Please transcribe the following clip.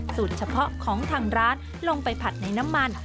สูตรเฉพาะของทางร้านลงไปผัดในน้ำมัน